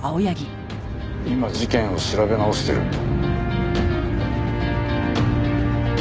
今事件を調べ直してる。